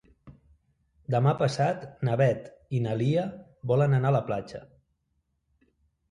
Demà passat na Beth i na Lia volen anar a la platja.